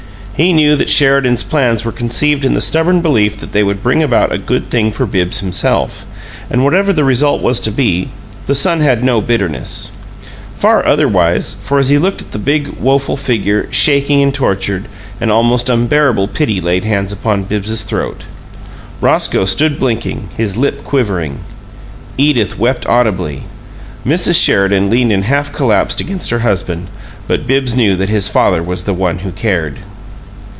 He knew that Sheridan's plans were conceived in the stubborn belief that they would bring about a good thing for Bibbs himself; and whatever the result was to be, the son had no bitterness. Far otherwise, for as he looked at the big, woeful figure, shaking and tortured, an almost unbearable pity laid hands upon Bibbs's throat. Roscoe stood blinking, his lip quivering; Edith wept audibly; Mrs. Sheridan leaned in half collapse against her husband; but Bibbs knew that his father was the one who cared.